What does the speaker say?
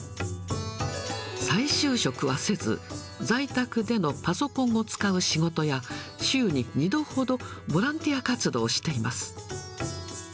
再就職はせず、在宅でのパソコンを使う仕事や、週に２度ほど、ボランティア活動しています。